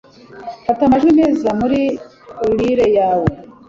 fata amajwi meza muri lyre yawe